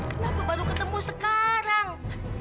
kenapa baru ketemu sekarang